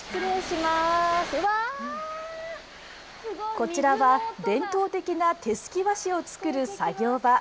こちらは、伝統的な手すき和紙を作る作業場。